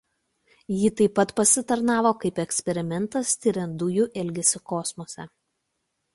Ji taip pat pasitarnavo kaip eksperimentas tiriant dujų elgesį kosmose.